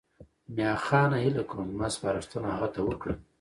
میاخانه هیله کوم زما سپارښتنه هغه ته وکړه.